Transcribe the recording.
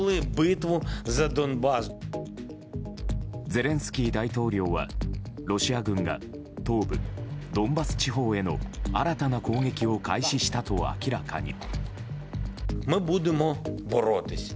ゼレンスキー大統領はロシア軍が東部ドンバス地方への新たな攻撃を開始したと明らかに。